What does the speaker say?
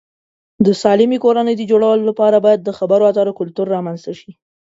د سالمې کورنۍ د جوړولو لپاره باید د خبرو اترو کلتور رامنځته شي.